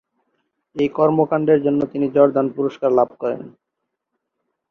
এই কর্মকাণ্ডের জন্য তিনি জর্দান পুরস্কার লাভ করেন।